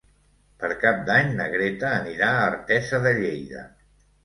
Per Cap d'Any na Greta anirà a Artesa de Lleida.